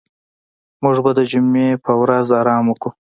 موږ به د جمعې په ورځ آرام وکړو.